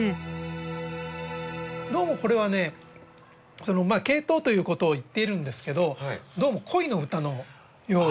どうもこれはねケイトウということを言っているんですけどどうも恋の歌のようで。